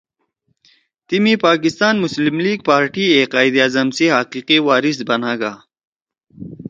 تیمی پاکستان مسلم لیگ پارٹی ئے قائداعظم سی حقیقی وارث بناگا